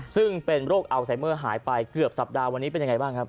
ซึ่งเป็นโรคอัลไซเมอร์หายไปเกือบสัปดาห์วันนี้เป็นยังไงบ้างครับ